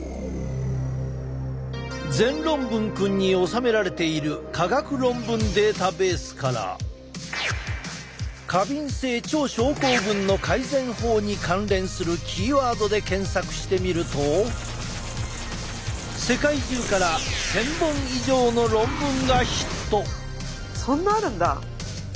全論文くんに収められている科学論文データベースから過敏性腸症候群の改善法に関連するキーワードで検索してみると世界中からそんなあるんだ！